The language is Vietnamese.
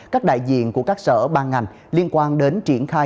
các đại diện của các sở ban ngành liên quan đến triển khai